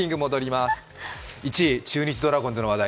１位、中日ドラゴンズの話題。